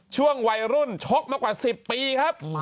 ช่วงวัยรุ่นชกมากว่า๑๐ปีครับ